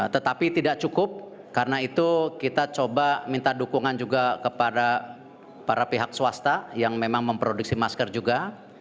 tetapi tidak cukup karena itu kita coba minta dukungan juga kepada para pihak swasta yang memang memproduksi masker juga